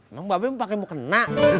mbak be lu pake mukena